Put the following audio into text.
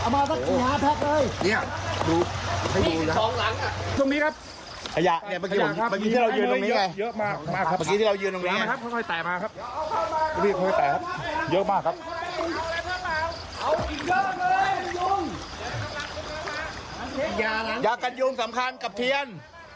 ยากันโยงสำคัญกับเทียน